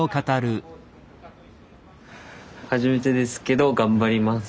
初めてですけど頑張ります。